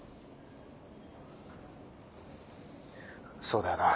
そうだよな。